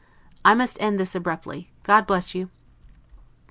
I must end this abruptly. God bless you!